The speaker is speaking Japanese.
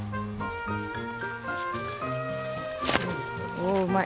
おおうまい。